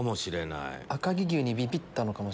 赤城牛にビビったのかもしれない。